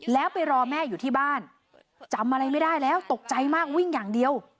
แล้วไปรอแม่อยู่ที่บ้านจำอะไรไม่ได้แล้วตกใจมากวิ่งอย่างเดียว